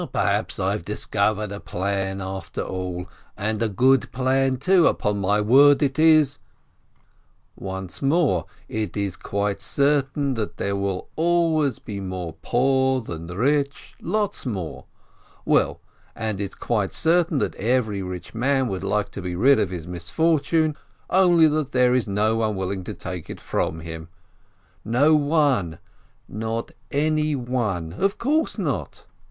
Perhaps I've discovered a plan after all! And a good plan, too, upon my word it is ! Once more : it is quite certain that there will always be more poor than rich — lots more ! Well, and it's quite certain that every rich man would like to be rid of his misfortune, only that there is no one willing to take it from him — no one, not any one, of course not.